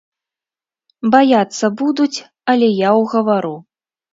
Баяцца будуць, але я ўгавару.